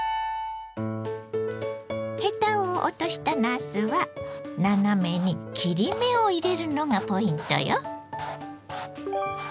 ヘタを落としたなすは斜めに切り目を入れるのがポイントよ。